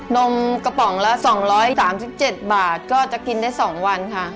นมกระป๋องละ๒๓๗บาทก็จะกินได้๒วันค่ะ